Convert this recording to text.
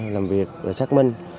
làm việc và xác minh